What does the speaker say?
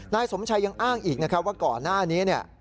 นายสมชัยยังอ้างอีกว่าก่อนหน้านี้